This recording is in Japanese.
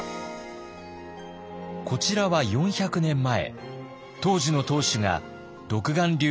こちらは４００年前当時の当主が独眼竜